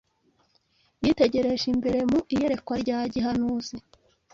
Yitegereje imbere, mu iyerekwa rya gihanuzi